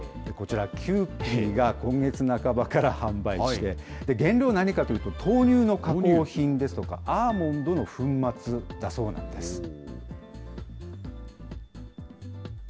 こちら、キユーピーが今月半ばから販売して、原料何かというと、豆乳の加工品ですとか、アーモンドの粉末だそうなんです。